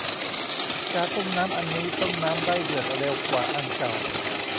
กาต้มน้ำอันนี้ต้มน้ำได้เดือดเร็วกว่าอันเก่า